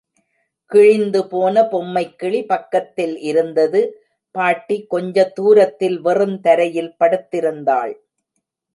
கிழிந்து போன பொம்மைக்கிளி பக்கத்தில் இருந்தது, பாட்டி கொஞ்ச தூரத்தில் வெறுந்தரையில் படுத்திருந்தாள்.